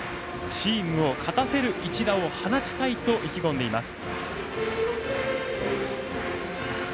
チームを勝たせる一打を放ちたいと意気込んでいます。